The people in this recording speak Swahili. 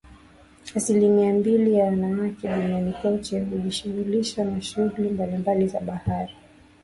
Asilimia mbili ya wanawake duniani kote hujishughulisha na shughuli mbalimbali za bahari